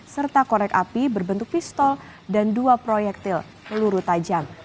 serta korek api berbentuk pistol dan dua proyektil peluru tajam